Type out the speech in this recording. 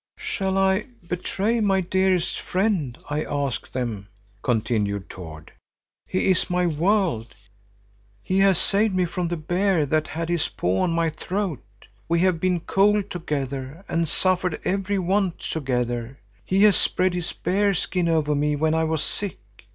"Shall I betray my dearest friend, I ask them," continued Tord. "He is my world. He has saved me from the bear that had his paw on my throat. We have been cold together and suffered every want together. He has spread his bear skin over me when I was sick.